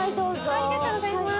ありがとうございます。